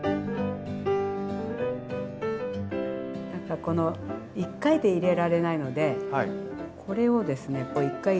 何かこの１回で入れられないのでこれをですねこう１回入れるでしょう？